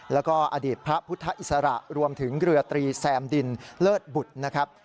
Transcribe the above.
แล้วก็อดีตพระพุทธอิสระรวมถึงเรือตรีแซมดินเลิศบุตรนะครับ